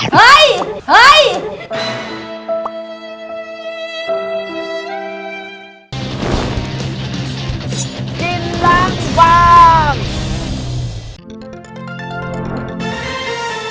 เฮ้ยเฮ้ย